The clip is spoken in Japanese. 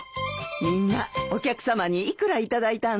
みんなお客さまに幾ら頂いたんだい？